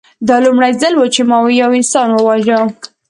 دا لومړی ځل و چې ما یو انسان وواژه